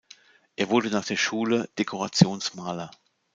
Er wurde nach der Schule Dekorationsmaler.